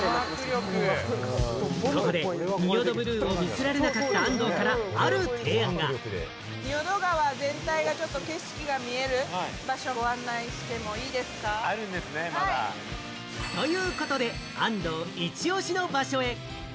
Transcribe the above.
ここで、仁淀ブルーを見せられなかった安藤からある提案が。ということで、安藤イチオシの場所へ。